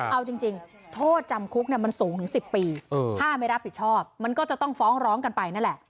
เอาจริงโทษจำคุกมันสูงถึง๑๐ปีถ้าไม่รับผิดชอบมันก็จะต้องฟ้องร้องกันไปนั่นแหละ